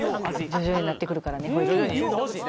徐々になってくるからねほい